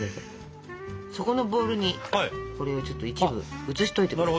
そこのボウルにこれをちょっと一部移しといて下さい。